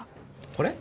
これ？